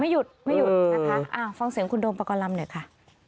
หยุดไม่หยุดนะคะฟังเสียงคุณโดมปากลำหน่อยค่ะ